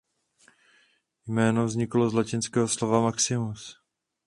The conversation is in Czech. Jméno vzniklo z latinského slova maximus.